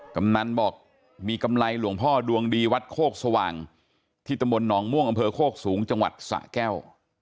กำนันบอกมีกำไรหลวงพ่อดวงดีวัดโคกสว่างที่ตำบลหนองม่วงอำเภอโคกสูงจังหวัดสะแก้ว